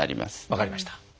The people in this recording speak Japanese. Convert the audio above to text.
分かりました。